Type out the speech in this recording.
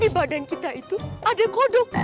di badan kita itu ada kodok